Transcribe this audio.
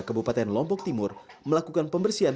kabupaten lombok timur melakukan pembersihan